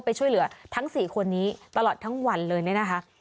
ไปช่วยเหลือทั้ง๔คนนี้ตลอดทั้งวันเลยเนี่ยนะคะ